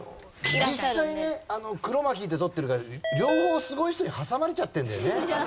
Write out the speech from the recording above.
実際ねクロマキーで撮ってるから両方すごい人に挟まれちゃってるんだよね。